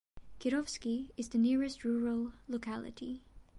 Kirovsky is the nearest rural locality.